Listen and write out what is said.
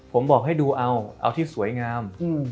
ผมบอกให้ดูเอาเอาที่สวยงาม